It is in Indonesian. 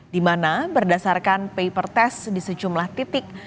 di mana berdasarkan paper test di sejumlah titik